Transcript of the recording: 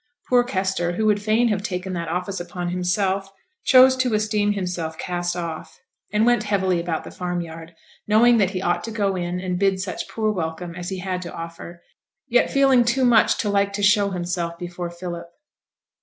Poor Kester, who would fain have taken that office upon himself, chose to esteem himself cast off, and went heavily about the farmyard, knowing that he ought to go in and bid such poor welcome as he had to offer, yet feeling too much to like to show himself before Philip.